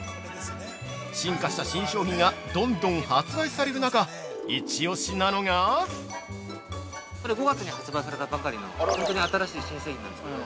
進化した新商品がどんどん発売される中、イチオシなのが◆これ、５月に発売された新製品なんですけど。